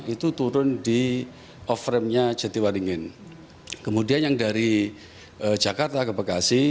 itu turun di offrame nya jatiwaringin kemudian yang dari jakarta ke bekasi